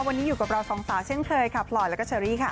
วันนี้อยู่กับเราสองสาวเช่นเคยค่ะพลอยแล้วก็เชอรี่ค่ะ